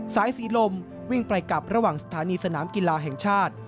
สายสีลมวิ่งไปกลับระหว่างสถานีสนามกีฬาแห่งชาติ